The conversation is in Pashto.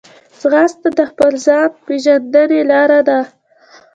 ځغاسته د خپل ځان پېژندنې لار ده